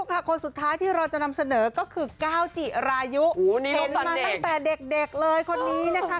เห็นมาตั้งแต่เด็กเลยคนนี้นะคะ